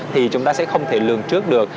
thì chúng ta sẽ không thể lường trước được